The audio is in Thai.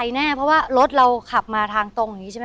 ก็แม้ขนาดเราไหนก็กลัวช่างมาตรงนี้